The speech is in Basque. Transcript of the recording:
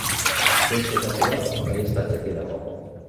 Beste kasu bat baieztatzeke dago.